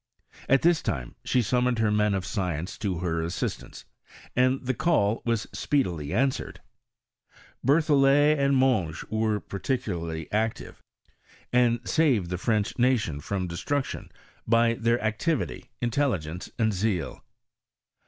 At this time she summoned hec men of science to her assistance, and the call was speedily answered. Berthollet and Monge wei« Sarticiilarly active, and saved the French natio& ^m destruction by their activity, intelligence, and zeal.